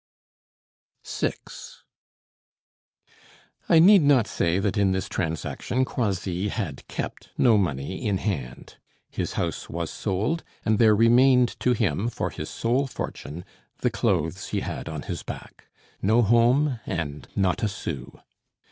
VI I need not say that in this transaction, Croisilles had kept no money in hand. His house was sold; and there remained to him, for his sole fortune, the clothes he had on his back; no home, and not a son.